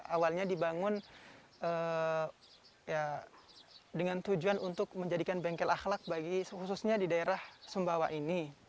awalnya dibangun dengan tujuan untuk menjadikan bengkel akhlak bagi khususnya di daerah sumbawa ini